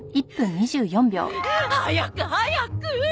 早く早く！